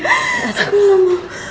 aku gak mau